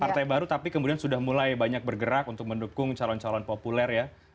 partai baru tapi kemudian sudah mulai banyak bergerak untuk mendukung calon calon populer ya